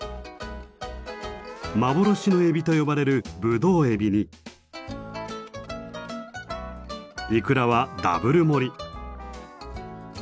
幻のエビと呼ばれるブドウエビにイクラはダブル盛り！